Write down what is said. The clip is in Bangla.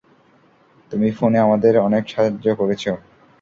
তুমি ফোনে আমাদের অনেক সাহায্য করেছো।